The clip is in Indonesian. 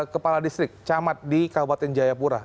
sembilan belas kepala distrik camat di kabupaten jayapura